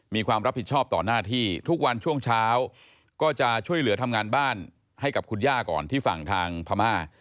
มีความรับผิดชอบต่อหน้าที่ทุกวันช่วงเช้าก็จะช่วยเหลือทำงานบ้านให้กับคุณย่าก่อนที่ฝั่งทางพม่า